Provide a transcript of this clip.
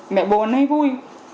mẹ buồn hay vui